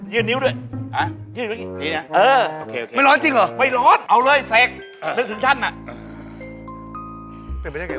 ยืดนิ้วด้วยนี่เนี่ยไม่ร้อนจริงเหรอ